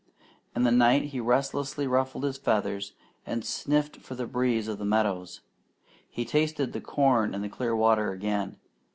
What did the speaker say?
In the night he restlessly ruffled his feathers, and sniffed for the breeze of the meadows. He tasted the corn and the clear water again.